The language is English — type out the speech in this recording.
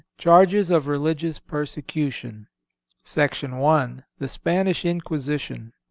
CHARGES OF RELIGIOUS PERSECUTION. I. The Spanish Inquisition.